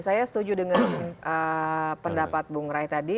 saya setuju dengan pendapat bung rai tadi